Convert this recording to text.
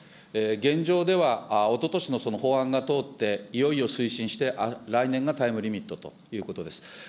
現状ではおととしのその法案が通って、いよいよ推進して、来年がタイムリミットということです。